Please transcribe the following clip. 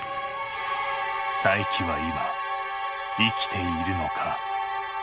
佐伯は今生きているのか？